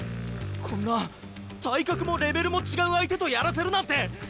こんな体格もレベルも違う相手とやらせるなんて！